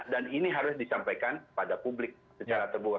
dan ini harus disampaikan pada publik secara terbuka